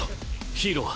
ヒーローは？